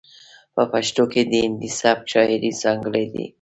په پښتو کې د هندي سبک شاعرۍ ځاتګړنې دي.